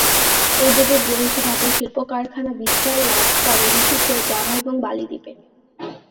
এই যুগে ব্রোঞ্জ ধাতুর শিল্পকারখানা বিস্তার লাভ করে বিশেষ করে জাভা এবং বালি দ্বীপে।